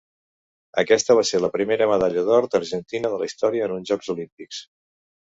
Aquesta va ser la primera medalla d'or argentina de la història en uns Jocs Olímpics.